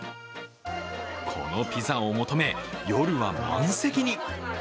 このピザを求め、夜は満席に。